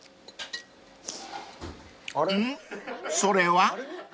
それは？］